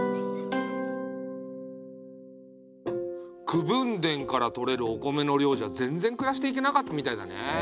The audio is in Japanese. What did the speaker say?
口分田からとれるお米の量じゃ全然暮らしていけなかったみたいだね。